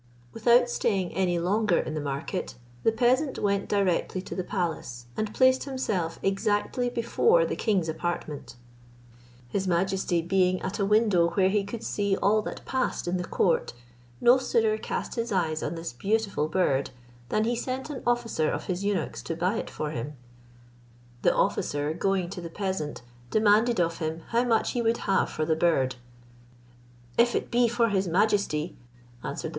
Without staying any longer in the market, the peasant went directly to the palace, and placed himself exactly before the king's apartment. His majesty, being at a window where he could see all that passed in the court, no sooner cast his eyes on this beautiful bird, than he sent an officer of his eunuchs to buy it for him. The officer going to the peasant, demanded of him how much he would have for the bird? "If it be for his majesty," answered the.